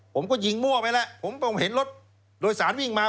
ผมก็ยิงมั่วไปแล้วผมเห็นรถโดยสารวิ่งมา